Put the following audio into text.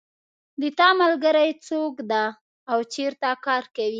د تا ملګری څوک ده او چېرته کار کوي